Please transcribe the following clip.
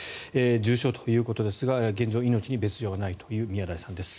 重傷ということですが現状、命に現状はないという宮台さんです。